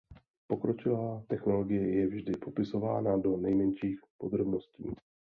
Pokročilá technologie je vždy popisována do nejmenších podrobností.